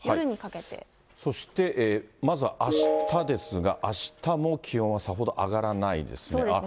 そしてまずはあしたですが、あしたも気温はさほど上がらないですね。